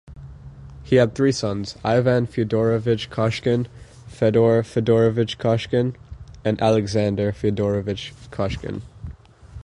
He had three sons: Ivan Fyodorovich Koshkin, Fedor Fedorovich Koshkin, and Alexander Fyodorovich Koshkin.